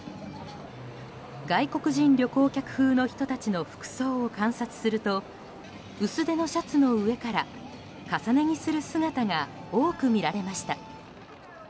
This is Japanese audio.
外国人観光客風の人たちの服装を観察すると薄手のシャツの上から重ね着する姿が多く見られました。